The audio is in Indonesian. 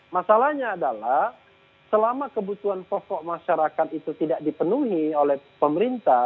masalahnya adalah selama kebutuhan pokok masyarakat itu tidak dipenuhi oleh pemerintah